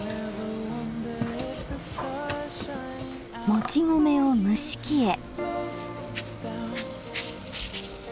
もち米を蒸し器へ。